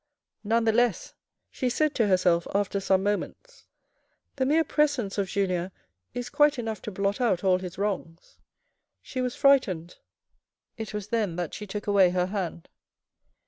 None the less, she said to herself after some moments, "the mere presence of Julien is quite enough to blot out all his wrongs." She was frightened; it was then that she took away her hand.